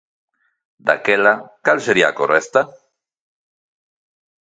Daquela cal sería a correcta?